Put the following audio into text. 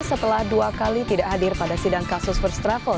setelah dua kali tidak hadir pada sidang kasus first travel